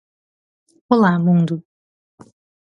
Olá, mundo.